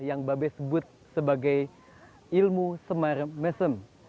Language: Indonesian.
yang babe sebut sebagai ilmu semar mesem